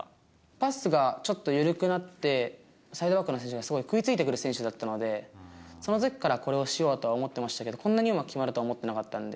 パスがちょっと緩くなって、サイドバックの選手が、すごい食いついてくる選手だったので、そのときから、これをしようとは思ってましたけど、こんなにうまく決まるとは思ってなかったんで。